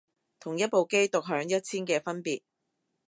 同一部機獨享一千嘅分別